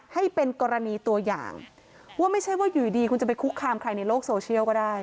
ให้เป็นกรณีตัวอย่างว่าไม่ใช่ว่าอยู่ดีคุณจะไปคุกคามใครในโลกโซเชียลก็ได้